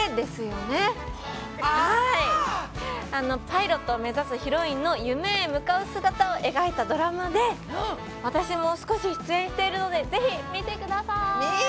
パイロットを目指すヒロインの夢へ向かう姿を描いたドラマで私も少し出演しているのでぜひ見てください。